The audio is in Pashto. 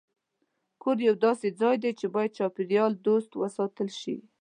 کور یو داسې ځای دی چې باید چاپېریال دوست وساتل شي.